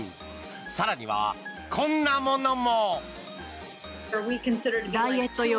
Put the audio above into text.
更には、こんなものも。